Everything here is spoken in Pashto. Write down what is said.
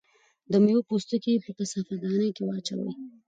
د مېوو پوستکي په کثافاتدانۍ کې واچوئ.